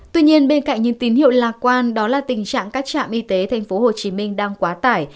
tuy nhiên bên cạnh những tín hiệu lạc quan đó là tình trạng các trạm y tế tp hcm đang quá tải